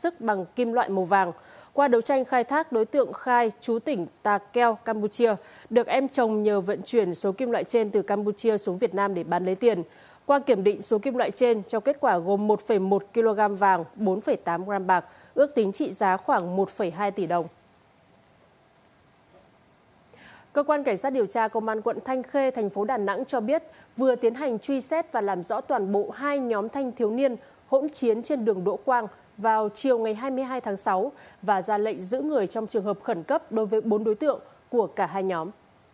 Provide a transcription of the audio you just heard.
cơ quan cảnh sát điều tra công an quận thanh khê thành phố đà nẵng cho biết vừa tiến hành truy xét và làm rõ toàn bộ hai nhóm thanh thiếu niên hỗn chiến trên đường đỗ quang vào chiều hai mươi hai tháng sáu và ra lệnh giữ người trong trường hợp khẩn cấp đối với bốn đối tượng của cả hai nhóm